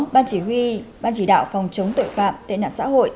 ban chỉ huy ban chỉ đạo phòng chống tội phạm tệ nạn xã hội